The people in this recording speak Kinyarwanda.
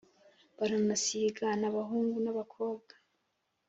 Baranasigana abahungu, na bakobwa